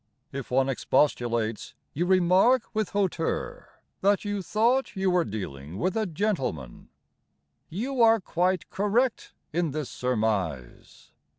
If one expostulates, You remark With hauteur That you thought you were dealing with a gentleman. You are quite correct in this surmise.